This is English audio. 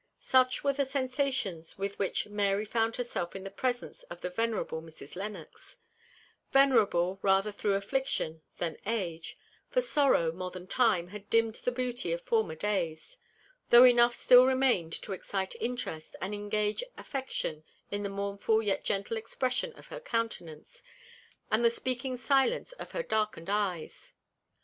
Such were the sensations with which Mary found herself in the presence of the venerable Mrs. Lennox venerable rather through affliction than age; for sorrow, more than time, had dimmed the beauty of former days, though enough still remained to excite interest and engage affection in the mournful yet gentle expression of her countenance, and the speaking silence of her darkened eyes.